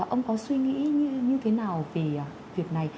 ông có suy nghĩ như thế nào về việc này